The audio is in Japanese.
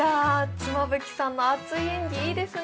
妻夫木さんの熱い演技いいですね